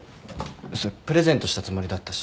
それプレゼントしたつもりだったし。